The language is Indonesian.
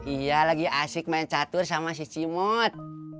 iya lagi asik main catur sama si cimut